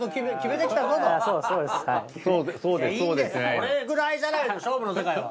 これくらいじゃないと勝負の世界は。